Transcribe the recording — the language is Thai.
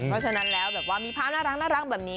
เพราะฉะนั้นแล้วแบบว่ามีภาพน่ารักแบบนี้